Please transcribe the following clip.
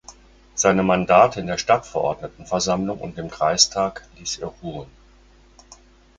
Seine Mandate in der Stadtverordnetenversammlung und im Kreistag ließ er ruhen.